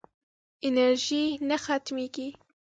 انرژي نه ختمېږي.